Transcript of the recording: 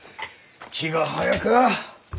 気が早か！